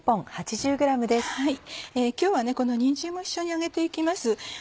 今日はこのにんじんも一緒に揚げて行きます。